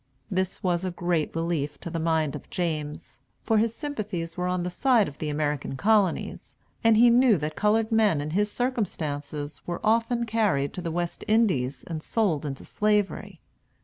This was a great relief to the mind of James; for his sympathies were on the side of the American Colonies, and he knew that colored men in his circumstances were often carried to the West Indies and sold into Slavery.